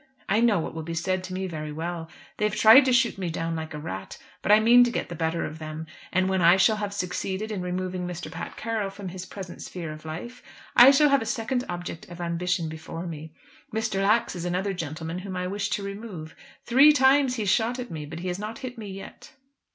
I know what will be said to me very well. They have tried to shoot me down like a rat; but I mean to get the better of them. And when I shall have succeeded in removing Mr. Pat Carroll from his present sphere of life, I shall have a second object of ambition before me. Mr. Lax is another gentleman whom I wish to remove. Three times he has shot at me, but he has not hit me yet."